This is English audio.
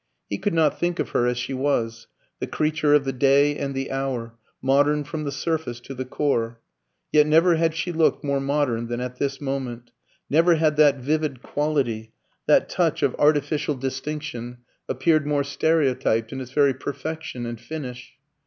He could not think of her as she was the creature of the day and the hour, modern from the surface to the core. Yet never had she looked more modern than at this moment; never had that vivid quality, that touch of artificial distinction, appeared more stereotyped in its very perfection and finish.